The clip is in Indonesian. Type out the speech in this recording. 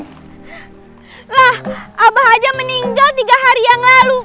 nah abah aja meninggal tiga hari yang lalu